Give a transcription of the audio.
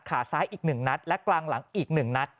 ขาซ้ายอีกหนึ่งนัดและกลางหลังอีกหนึ่งนัด